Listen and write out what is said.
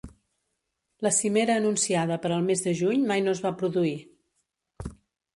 La cimera anunciada per al mes de juny mai no es va produir.